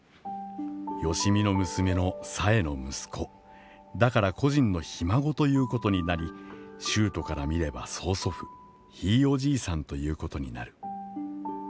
吉美の娘の紗重の息子、だから故人のひ孫ということになり、秀斗から見れば曾祖父、ひいおじいさんということになる。